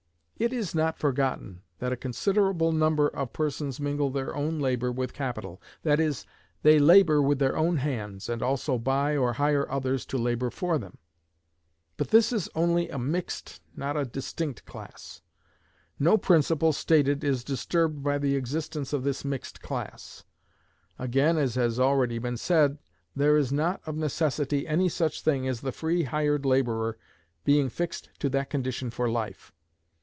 It is not forgotten that a considerable number of persons mingle their own labor with capital that is, they labor with their own hands, and also buy or hire others to labor for them; but this is only a mixed, not a distinct class. No principle stated is disturbed by the existence of this mixed class. Again, as has already been said, there is not, of necessity, any such thing as the free hired laborer being fixed to that condition for life.